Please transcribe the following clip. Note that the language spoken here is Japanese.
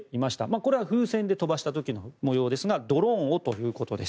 これは風船で飛ばした時の模様ですがドローンをということです。